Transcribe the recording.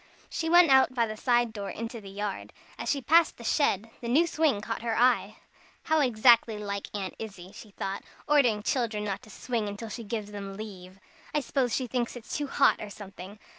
She went out by the side door into the yard. As she passed the shed, the new swing caught her eye. "How exactly like Aunt Izzie," she thought, "ordering the children not to swing till she gives them leave. I suppose she thinks it's too hot, or something.